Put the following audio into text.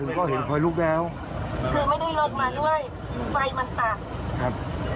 อ๋อแล้วก็ตัวเองอยู่ข้างบนไม่ทราบ